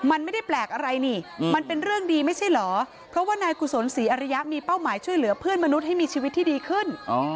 มันไม่ได้แปลกอะไรนี่มันเป็นเรื่องดีไม่ใช่เหรอเพราะว่านายกุศลศรีอริยะมีเป้าหมายช่วยเหลือเพื่อนมนุษย์ให้มีชีวิตที่ดีขึ้น